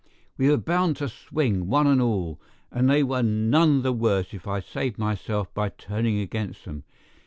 "We were bound to swing, one and all, and they were none the worse if I saved myself by turning against them.